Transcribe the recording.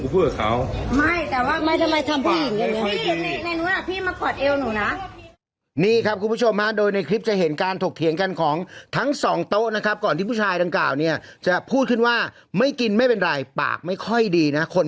คุณผู้ชมครับโดยในคลิปจะเห็นการถกเถียงกันของทั้งสองโต๊ะนะครับก่อนที่ผู้ชายดังกล่าวเนี่ยจะพูดขึ้นว่าไม่กินไม่เป็นไรปากไม่ค่อยดีนะคน